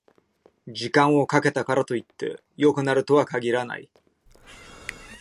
時間をかけたからといって良くなるとは限らない